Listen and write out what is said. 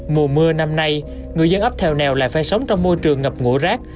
mùa mưa năm nay người dân ấp theo nèo lại phai sống trong môi trường ngập ngũ rác